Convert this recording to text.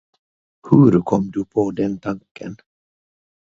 Huru kom du på den tanken.